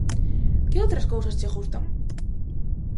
Que outras cousas che gustan?